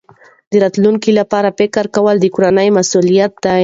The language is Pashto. د راتلونکي لپاره فکر کول د کورنۍ مسؤلیت دی.